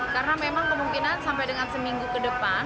karena memang kemungkinan sampai dengan seminggu ke depan